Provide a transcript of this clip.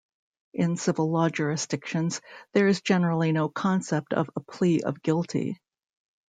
In civil law jurisdictions, there is generally no concept of a plea of guilty.